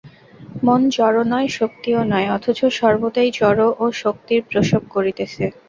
মন জড় নয়, শক্তিও নয়, অথচ সর্বদাই জড় ও শক্তির প্রসব করিতেছে।